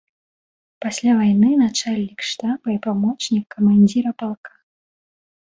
Пасля вайны начальнік штаба і памочнік камандзіра палка.